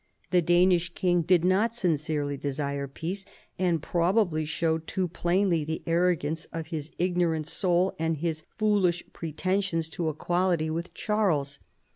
The Danish king did not sincerely desire peace, and probably shov/ed too plainly the arrogance of his ignorant soul and his foolish pretensions to equality with Charles.